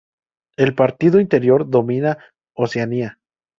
El Partido Interior domina Oceanía.